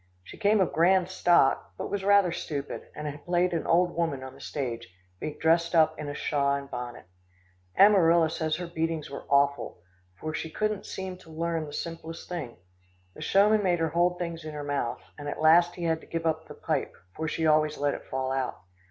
She came of grand stock, but was rather stupid, and had played an old woman on the stage, being dressed up in a shawl and bonnet. Amarilla says her beatings were awful, for she couldn't seem to learn the simplest thing. The showman made her hold things in her mouth, and at last he had to give up the pipe, for she always let it fall out.